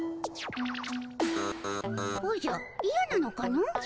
おじゃいやなのかの。